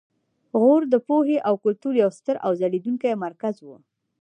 غور د پوهې او کلتور یو ستر او ځلیدونکی مرکز و